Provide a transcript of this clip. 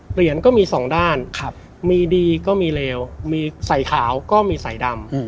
เหรียญก็มีสองด้านมีดีก็มีเลวมีใส่ขาวก็มีใส่ดำ